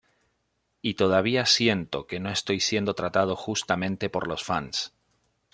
Y todavía siento que no estoy siendo tratado justamente por los fans.